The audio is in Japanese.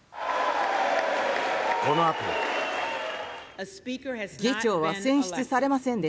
このあとは。